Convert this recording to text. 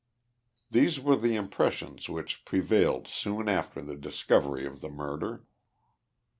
These were the impressions which pre vailed soon after the discovery of the murder.